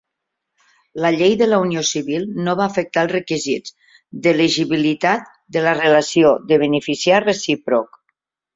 La llei de la unió civil no va afectar els requisits d'elegibilitat de la relació de beneficiar recíproc.